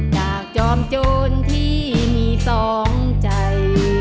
จากจอมโจรที่มีสองใจ